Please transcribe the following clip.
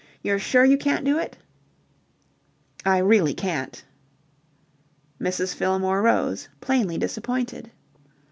You're sure you can't do it?" "I really can't." Mrs. Fillmore rose, plainly disappointed.